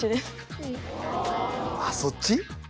あっそっち？